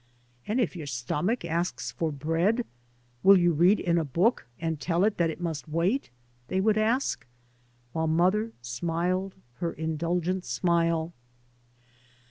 And if your stomach asks for bread — will you read in a book, and tell it that it must wait? " they would ask, while mother smiled her Indulgent smile.